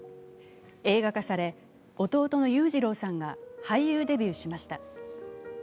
映画化され、弟の裕次郎さんが俳優デビューしました。